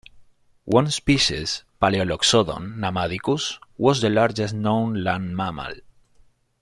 One species, "Palaeoloxodon namadicus", was the largest known land mammal.